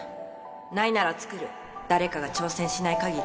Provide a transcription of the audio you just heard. ないなら作る誰かが挑戦しない限り